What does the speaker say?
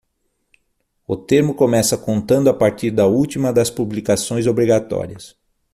O termo começa contando a partir da última das publicações obrigatórias.